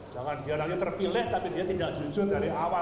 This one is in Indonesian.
jangan dia nanti terpilih tapi dia tidak jujur dari awal